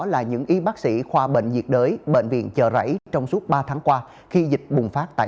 là những y bác sĩ khoa bệnh nhiệt đới bệnh viện chợ rẫy trong suốt ba tháng qua khi dịch bùng phát tại